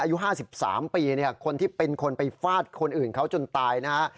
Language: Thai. อายุ๕๓ปีเนี่ยคนที่เป็นคนไปฟาดคนอื่นเขาจนตายนะฮะ